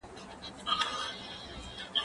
زه به سبا سندري اورم وم؟!